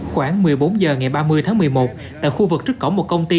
khoảng một mươi bốn h ngày ba mươi tháng một mươi một tại khu vực trước cổng một công ty